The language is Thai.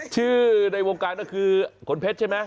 ชื่อในวงการนั่นคือขนเพชรใช่ไหม